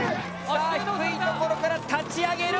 さあ低い所から立ち上げる！